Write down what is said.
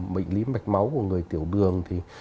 bệnh lý mạch máu của người tiểu đường